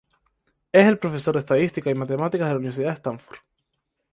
Es el profesor de estadística y matemáticas de la universidad de Stanford.